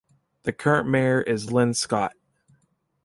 The current mayor is Lynn Scott.